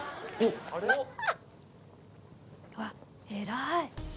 わっ偉い。